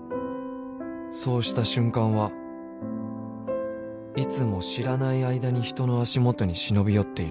［そうした瞬間はいつも知らない間に人の足元に忍び寄っている］